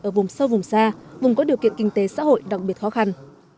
ở vùng sâu vùng xa vùng có điều kiện kinh tế xã hội đặc biệt khó khăn